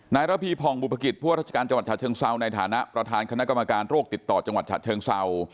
ระพีผ่องบุภกิจผู้ราชการจังหวัดฉะเชิงเซาในฐานะประธานคณะกรรมการโรคติดต่อจังหวัดฉะเชิงเศร้า